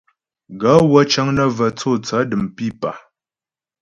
Gaə̌ wə́ cə́ŋ nə́ və tsô tsaə̌ də̀m pípà.